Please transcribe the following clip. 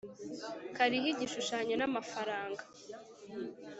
kariho igishushanyo na mafaranga